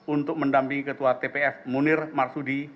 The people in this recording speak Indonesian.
untuk mendampingi ketua tpf munir marsudi